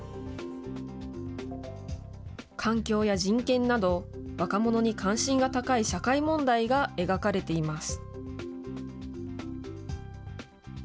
環境や人権など、若者に関心が高い社会問題が描かれています。